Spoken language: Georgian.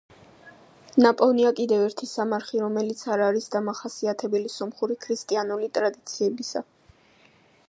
ნაპოვნია კიდევ ერთი სამარხი, რომელიც არ არის დამახასიათებელი სომხური ქრისტიანული ტრადიციებისა.